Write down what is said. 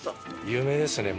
有名ですね。